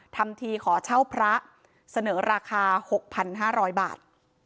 ทำทีขอเช่าพระเสนอราคา๖๕๐๐บาท